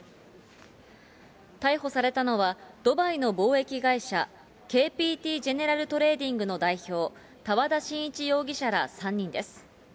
逮捕されたのは、ドバイの貿易会社、ＫＰＴジェネラルトレーディング代表、多和田真一容疑者ら３人です。